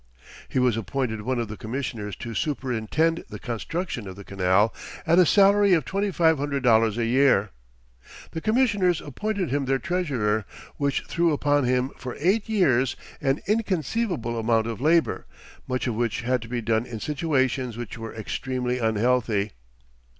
He was appointed one of the commissioners to superintend the construction of the canal at a salary of twenty five hundred dollars a year. The commissioners appointed him their treasurer, which threw upon him for eight years an inconceivable amount of labor, much of which had to be done in situations which were extremely unhealthy.